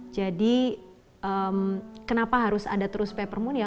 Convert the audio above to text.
jadi kenapa harus ada terus peppermint ya